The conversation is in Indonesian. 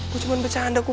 gue cuman becandaku